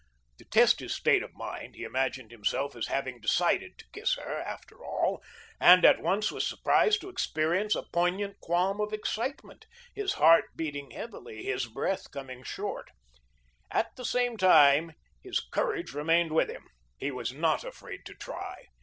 To test his state of mind, he imagined himself as having decided to kiss her, after all, and at once was surprised to experience a poignant qualm of excitement, his heart beating heavily, his breath coming short. At the same time, his courage remained with him. He was not afraid to try.